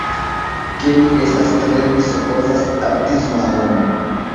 ke mi estas tre, mi supozas, artisma homo